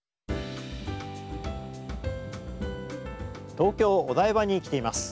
東京・お台場に来ています。